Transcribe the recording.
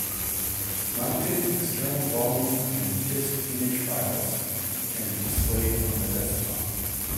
Mounted external volumes and disk image files can be displayed on the desktop.